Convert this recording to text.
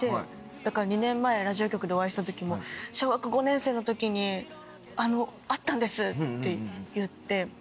だから２年前ラジオ局でお会いした時も「小学５年生の時に会ったんです」って言って。